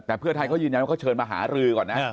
แต่เพื่อไทยเขายืนยันว่าเขาเชิญมาหารือก่อนนะ